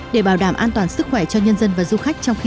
để bảo đảm an toàn sức khỏe cho nhân dân và du khách